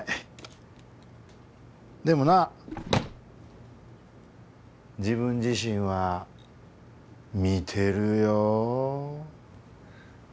でもな自分自身は見てるよ。